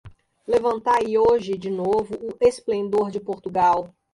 Levantai hoje de novo o esplendor de Portugal!